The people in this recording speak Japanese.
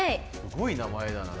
すごい名前だな。